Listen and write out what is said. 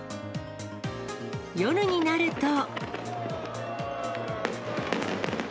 夜になると。